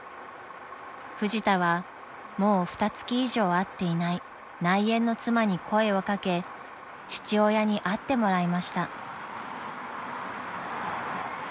［フジタはもうふたつき以上会っていない内縁の妻に声を掛け父親に会ってもらいました］